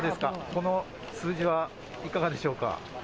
この数字はいかがでしょうか。